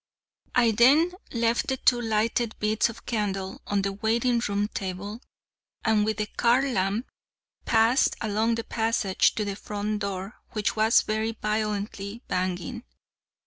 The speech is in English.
I then left the two lighted bits of candle on the waiting room table, and, with the car lamp, passed along the passage to the front door, which was very violently banging.